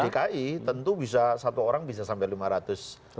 dki tentu bisa satu orang bisa sampai lima ratus orang